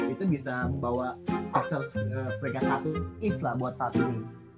itu bisa membawa pressure mereka satu is lah buat satu ini